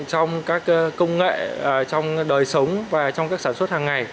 trong các công nghệ trong đời sống và trong các sản xuất hàng ngày